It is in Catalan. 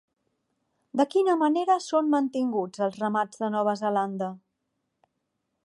De quina manera són mantinguts els ramats de Nova Zelanda?